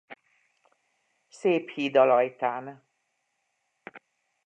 Szép hid a Lajtán.